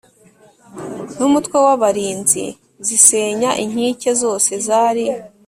n umutware w abarinzi zisenya inkike zose zari